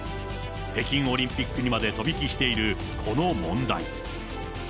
北京オリンピックにまで飛び火しているこの問題。